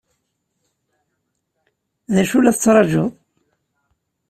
D acu ay la tettṛajuḍ?